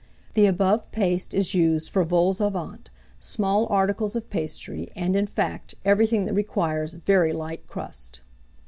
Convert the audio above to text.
The above paste is used for vols au vent, small articles of pastry, and, in fact, everything that requires very light crust.